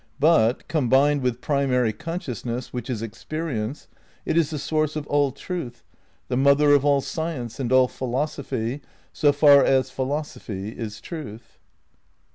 But, combined with primary conscious ness, which is experience, it is the source of all truth, the mother of all science and all philosophy, so far as philosophy is truth.